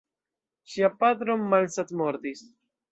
Ŝia patro malsatmortis.